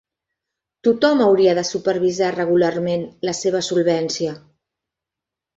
Tothom hauria de supervisar regularment la seva solvència.